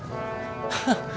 boleh ya kang